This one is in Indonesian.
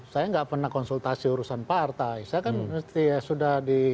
saya nggak pernah konsultasi urusan partai saya kan sudah di